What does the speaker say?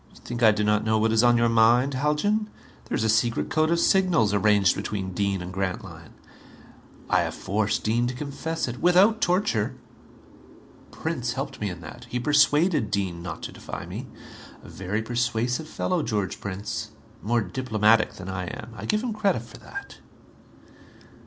You think I do not know what is on your mind, Haljan? There is a secret code of signals arranged between Dean and Grantline. I have forced Dean to confess it. Without torture! Prince helped me in that. He persuaded Dean not to defy me. A very persuasive fellow, George Prince. More diplomatic than I am. I give him credit for that."